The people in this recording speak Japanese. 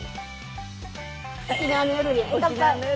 沖縄の夜に乾杯！